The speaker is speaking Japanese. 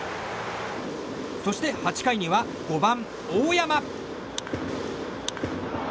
そして８回には５番、大山。